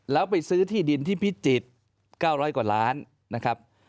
แล้วไปซื้อที่ดินที่พิจิตร๙๐๐กว่าล้านนะครับ